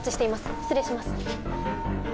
失礼します